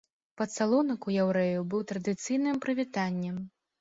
Пацалунак у яўрэяў быў традыцыйным прывітаннем.